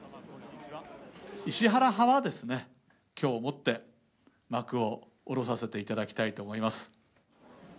石原派はですね、きょうをもって、幕を下ろさせていただきたいと思います。